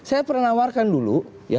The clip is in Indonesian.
saya pernah menawarkan dulu